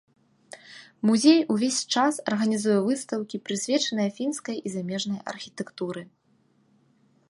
Музей увесь час арганізуе выстаўкі, прысвечаныя фінскай і замежнай архітэктуры.